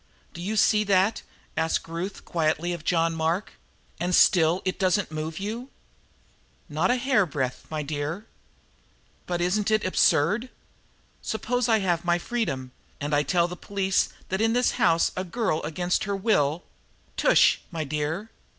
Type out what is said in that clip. "Do you see that," asked Ruth quietly of John Mark, "and still it doesn't move you?" "Not a hairbreadth, my dear." "But isn't it absurd? Suppose I have my freedom, and I tell the police that in this house a girl against her will " "Tush, my dear!